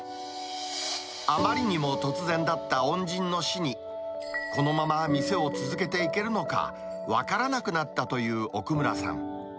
あまりにも突然だった恩人の死に、このまま店を続けていけるのか、分からなくなったという奥村さん。